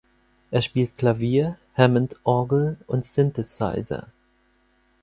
Er spielt Klavier, Hammondorgel und Synthesizer.